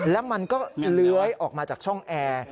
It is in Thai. แล้วมันก็เลื้อยออกมาจากช่องแอร์